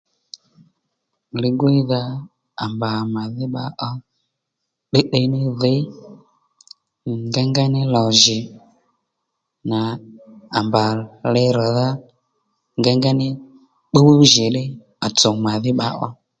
Ligwíydha à mbà màdhí bbakà ó tdiytdiy ní dhǐy ngengéy ní lò jì nà à mbà li rr̀dha ngengéy ní pbúw jì ddí à tsùw màdhí bba ó